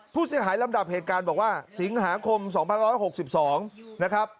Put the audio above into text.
ลำดับเหตุการณ์บอกว่าสิงหาคม๒๑๖๒นะครับ